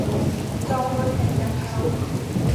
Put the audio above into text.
จองรถแห่ยังครับ